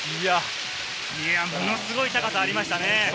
ものすごい高さありましたね。